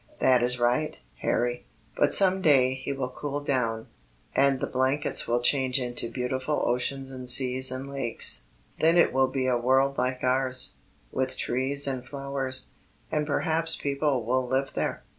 "That is right, Harry, but some day he will cool down, and the blankets will change into beautiful oceans and seas and lakes. Then it will be a world like ours, with trees and flowers, and perhaps people will live there."